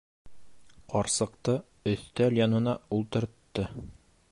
Ҡарсыҡты өҫтәл янына ултыртты.